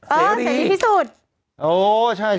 เออเซลลี่พิสูจน์